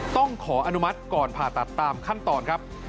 ต้องขออนุมัติก่อนผ่าตัดตามขั้นตอนครับ